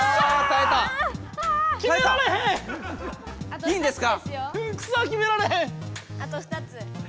えあいいんですか？